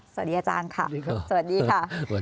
สวัสดีอาจารย์ค่ะสวัสดีค่ะ